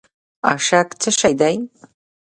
اشک څه شی دی؟